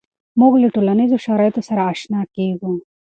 مونږ له ټولنیزو شرایطو سره آشنا کیږو.